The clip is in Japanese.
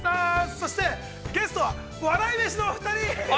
そして、ゲストは、笑い飯のお二人。